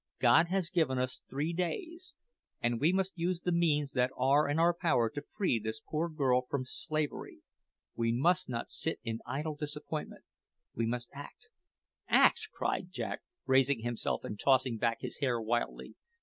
God has given us three days, and we must use the means that are in our power to free this poor girl from slavery. We must not sit in idle disappointment; we must act " "Act!" cried Jack, raising himself and tossing back his hair wildly.